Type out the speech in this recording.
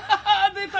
出た。